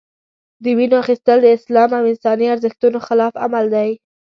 د وینو اخیستل د اسلام او انساني ارزښتونو خلاف عمل دی.